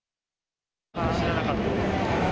知らなかったです。